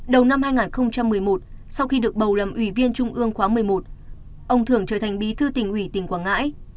đầu năm hai nghìn một mươi một sau khi được bầu làm ủy viên trung ương khóa một mươi một ông thưởng trở thành bí thư tỉnh ủy tỉnh quảng ngãi